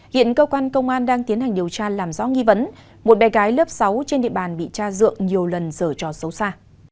hiện cơ quan công an đang tiến hành điều tra làm rõ nghi vấn một bé gái lớp sáu trên địa bàn bị cha dượng nhiều lần dở trò xấu xa